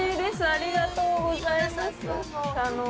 ありがとうございます